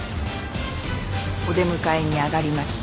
お出迎えに上がりました。